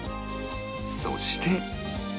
そして